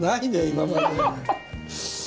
今まで。